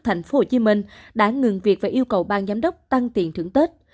thành phố hồ chí minh đã ngừng việc và yêu cầu bang giám đốc tăng tiền thưởng tết